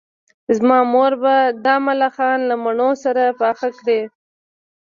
زما مور به دا ملخان له مڼو سره پاخه کړي